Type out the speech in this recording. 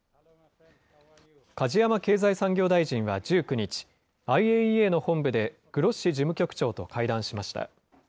梶山経済産業大臣は１９日、ＩＡＥＡの本部でグロッシ事務局長と会談しました。